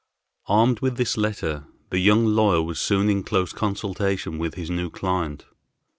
Armed with this letter the young lawyer was soon in close consultation with his new client.